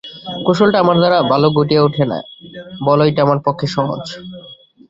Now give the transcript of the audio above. কৌশলটা আমার দ্বারা ভালো ঘটিয়া ওঠে না–বলটাই আমার পক্ষে সহজ।